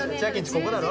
ここだろ？